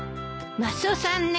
マスオさんね。